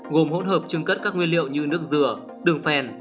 gồm hỗn hợp trưng cất các nguyên liệu như nước dừa đường phèn